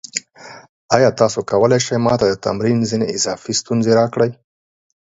ایا تاسو کولی شئ ما ته د تمرین ځینې اضافي ستونزې راکړئ؟